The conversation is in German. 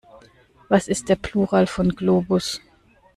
Was ist der Plural von Globus?